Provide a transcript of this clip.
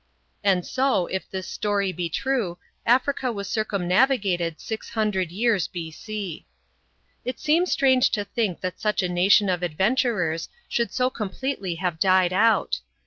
And so, if this story be true, Africa was circum navigated six hundred years B.C. It seems strange to think that such a nation of adventurers should so completely have died out.